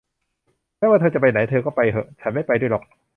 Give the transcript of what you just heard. ไม่ว่าเธอจะไปไหน เธอก็ไปเหอะ ฉันไม่ไปด้วยหรอก